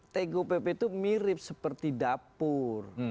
tgpp itu mirip seperti damai